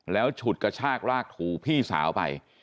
แล้วฉุดกระชากรากถูพี่สาวไป